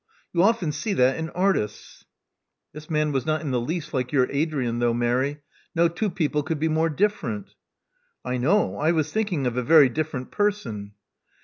You often see that in artists." This man was not in the least like your Adrian, though, Mary. No two people could be more different." I know. I was thinking of a very different person."